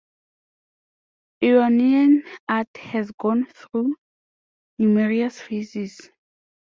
Iranian art has gone through numerous phases.